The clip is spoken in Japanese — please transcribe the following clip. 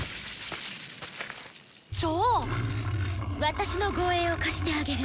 私の護衛を貸してあげる。